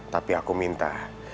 tapi aku minta